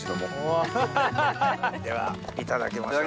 ではいただきましょう。